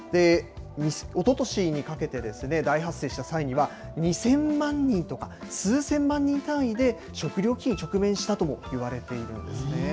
おととしにかけて、大発生した際には、２０００万人とか、数千万人単位で、食糧危機に直面したともいわれているんですね。